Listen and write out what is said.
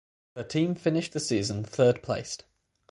Her team finished the season third placed.